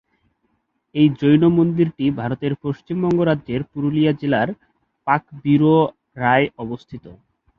এই জৈন মন্দিরটি ভারতের পশ্চিমবঙ্গ রাজ্যের পুরুলিয়া জেলার পাকবিড়রায় অবস্থিত।